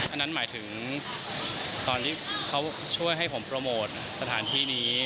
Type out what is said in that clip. อันนั้นหมายถึงตอนที่เขาช่วยให้ผมโปรโมทสถานที่นี้